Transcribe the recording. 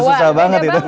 susah banget itu